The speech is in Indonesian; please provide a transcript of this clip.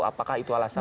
apakah itu alasannya